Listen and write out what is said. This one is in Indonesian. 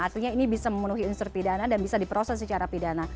artinya ini bisa memenuhi unsur pidana dan bisa diproses secara pidana